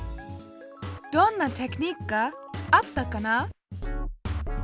どんなテクニックがあったかな？